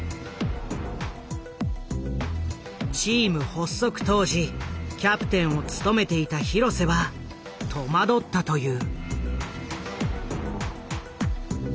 チーム発足当時キャプテンを務めていた廣瀬は戸惑ったという。